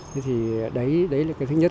thế thì đấy là cái thứ nhất